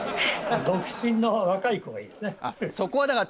独身の若い子がいいですね。